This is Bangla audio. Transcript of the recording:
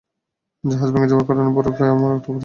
জাহাজ ভেঙে যাওয়ার কারণে বরফে আমরা আটকা পড়ে যাই!